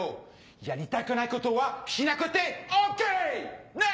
やりたくないことはしなくてＯＫ！ねぇ！